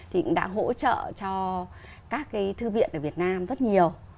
thì cũng đã hỗ trợ cho các cái thư viện ở việt nam rất nhiều